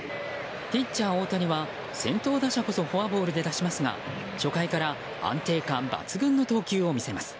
ピッチャー大谷は先頭打者こそフォアボールで出しますが初回から安定感抜群の投球を見せます。